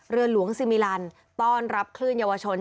เรือหลวงซิมิลันต้อนรับคลื่นเยาวชน